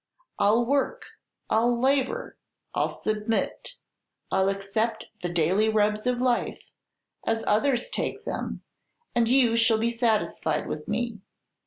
I'll work I'll labor I'll submit I'll accept the daily rubs of life, as others take them, and you shall be satisfied with me.